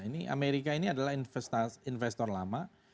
ini amerika ini adalah investor lama